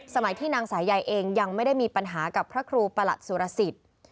ที่นางสายใยเองยังไม่ได้มีปัญหากับพระครูประหลัดสุรสิทธิ์